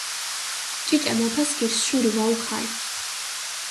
ჭიჭე მაფასქირს შური ვაუქალჷ.